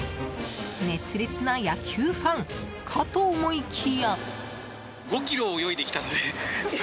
熱烈な野球ファンかと思いきや。